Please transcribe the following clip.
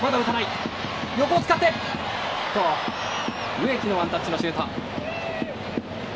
植木のワンタッチのシュート。